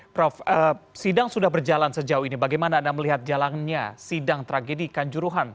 prof sidang sudah berjalan sejauh ini bagaimana anda melihat jalannya sidang tragedi kanjuruhan